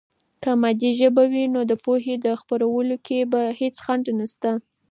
که مادي ژبه وي، نو د پوهې په خپرولو کې هېڅ خنډ نسته.